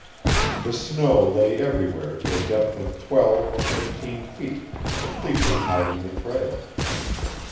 The snow lay everywhere to a depth of twelve or fifteen feet, completely hiding the trail.